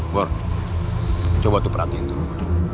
bor coba tuh perhatiin tuh